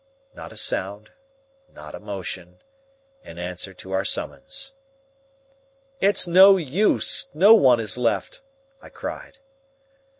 Not a sound, not a motion, in answer to our summons. "It's no use. No one is left," I cried.